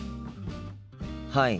はい。